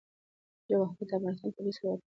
جواهرات د افغانستان طبعي ثروت دی.